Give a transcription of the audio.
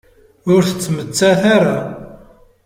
Ur tettmettat ara.